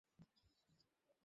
দয়া করে, সবাই চলে যান!